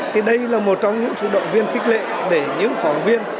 thì đây là một trong những sự động viên kích lệ để những phóng viên